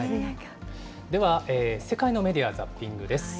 では世界のメディア・ザッピングです。